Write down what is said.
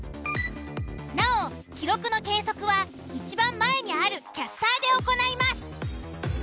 なお記録の計測はいちばん前にあるキャスターで行います。